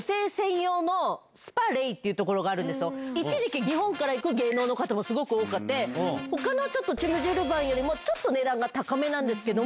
一時期日本から行く芸能の方もすごく多くて他のチムジルバンよりもちょっと値段が高めですけど。